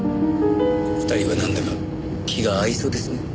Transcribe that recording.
２人はなんだか気が合いそうですね。